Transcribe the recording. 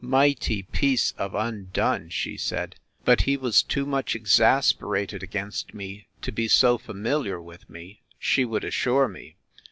Mighty piece of undone! she said: but he was too much exasperated against me, to be so familiar with me, she would assure me!